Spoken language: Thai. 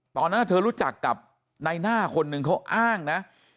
ตอนนั้นเธอรู้จักกับนายหน้าคนหนึ่งเขาอ้างนะ